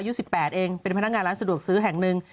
อายุ๑๘เองเป็นพนักงานร้านสะดวกซื้อแห่งหนึ่ง